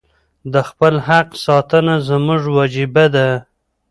د خپل حق ساتنه زموږ وجیبه ده.